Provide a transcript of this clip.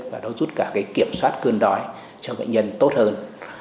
và nó giúp cả cái kiểm soát cơn đói cho bệnh nhân tốt hơn